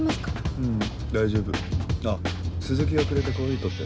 ううん大丈夫あっ鈴木がくれたコーヒー取って。